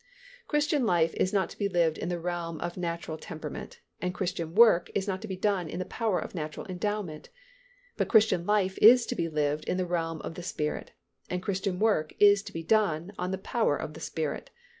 Christian life is not to be lived in the realm of natural temperament, and Christian work is not to be done in the power of natural endowment, but Christian life is to be lived in the realm of the Spirit, and Christian work is to be done on the power of the Spirit.